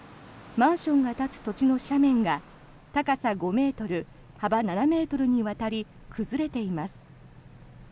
マンションが立つ土地の斜面が高さ５ｍ、幅７ｍにわたり崩れています。